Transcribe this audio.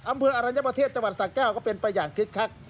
อำเภออรัญญประเทศจังหวัดสะแก้วก็เป็นไปอย่างคึกคัก